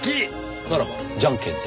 ならばじゃんけんで。